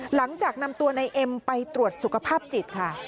หลังจากนำตัวนายเอ็มไปตรวจสุขภาพจิตค่ะ